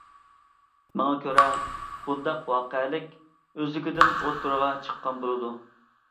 ماڭا كۆرە، بۇنداق ۋەقەلىك ئۆزلۈكىدىن ئوتتۇرىغا چىققان بولىدۇ.